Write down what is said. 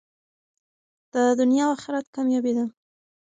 دا د دنیا او اخرت کامیابي ده.